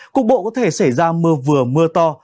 cục bộ có thể xảy ra mưa vừa mưa to